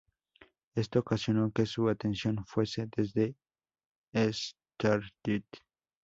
Esto ocasionó que su atención fuese desde l’Estartit.